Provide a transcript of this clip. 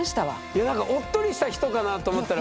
いやなんかおっとりした人かなと思ったら。